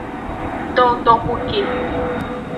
Towo toxu ke.